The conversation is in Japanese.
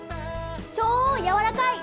超やわらかい！